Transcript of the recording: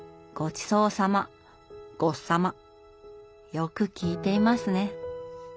よく聞いていますね。